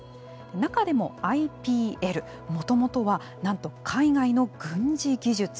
中でもＩＰＬ、もともとはなんと海外の軍事技術。